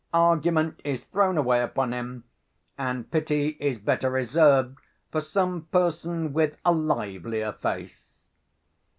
Argument is thrown away upon him; and pity is better reserved for some person with a livelier faith.